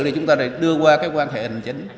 thì chúng ta lại đưa qua cái quan hệ hành chính